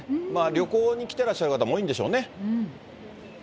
旅行に来てらっしゃる方も多いんでしょうね。